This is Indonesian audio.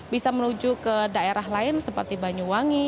bisa menuju ke daerah lain seperti banyuwangi